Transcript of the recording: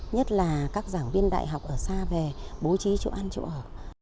nhất là các giảng viên đại học ở xa về bố trí chỗ ăn chỗ ở